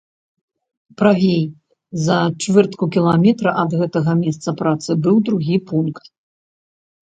Правей, за чвэртку кіламетра ад гэтага месца працы, быў другі пункт.